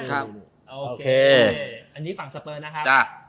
อันนี้ฝั่งสเปอร์นะโคม